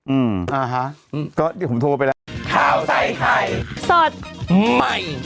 อืมอ่าฮะก็เดี๋ยวผมโทรไปแล้ว